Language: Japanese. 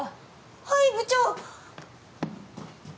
はい部長！